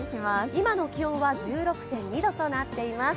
今の気温は１６．２度となっています。